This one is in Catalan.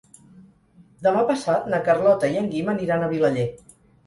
Demà passat na Carlota i en Guim aniran a Vilaller.